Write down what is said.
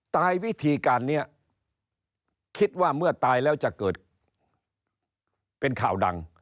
ตายวิธีการนี้คิดว่าเมื่อตายแล้วจะเกิดเป็นข่าวดัง